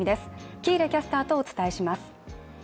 喜入キャスターとお伝えします。